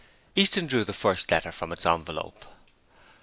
Easton drew the first letter from its envelope.